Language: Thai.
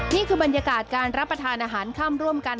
นี่คือบรรยากาศการรับประทานอาหารค่ำร่วมกัน